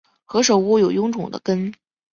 何首乌有臃肿的根